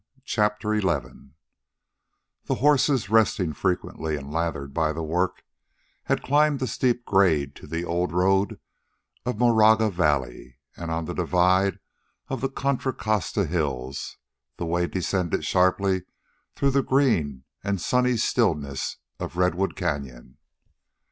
CHAPTER XI The horses, resting frequently and lathered by the work, had climbed the steep grade of the old road to Moraga Valley, and on the divide of the Contra Costa hills the way descended sharply through the green and sunny stillness of Redwood Canyon.